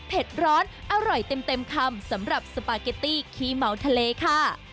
ร้อนอร่อยเต็มคำสำหรับสปาเกตตี้ขี้เมาทะเลค่ะ